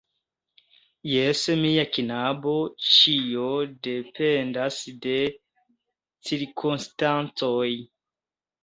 Jes, mia knabo; ĉio dependas de cirkonstancoj.